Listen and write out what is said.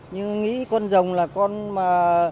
nhưng nghĩ con dòng là con mà